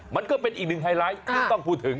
มันก็เป็นอีกหนึ่งไฮไลท์ที่ต้องพูดถึง